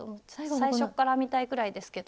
最初から編みたいくらいですけど。